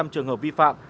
trường hợp vi phạm